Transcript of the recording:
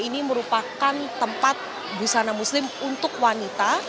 ini merupakan tempat busana muslim untuk wanita